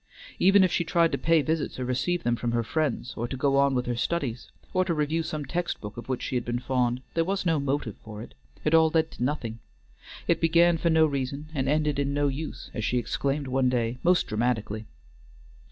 Even if she tried to pay visits or receive them from her friends, or to go on with her studies, or to review some text book of which she had been fond, there was no motive for it; it all led to nothing; it began for no reason and ended in no use, as she exclaimed one day most dramatically.